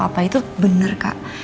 apa itu bener kak